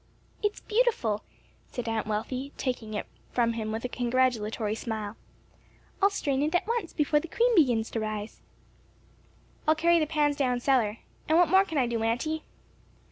"It's beautiful," said Aunt Wealthy, taking it from him with a congratulatory smile. "I'll strain it at once before the cream begins to rise." "I'll carry the pans down cellar. And what more can I do, auntie?"